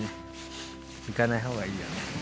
行かない方がいいよね。